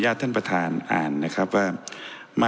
ท่านจะวินิจฉัยมานั้นนะครับซึ่ง